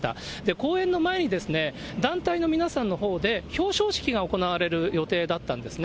公演の前に、団体の皆さんのほうで、表彰式が行われる予定だったんですね。